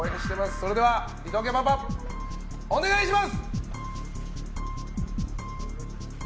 それでは伊藤家パパお願いします！